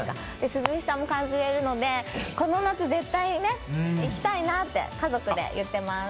涼しさも感じられるのでこの夏絶対行きたいなって家族で言ってます。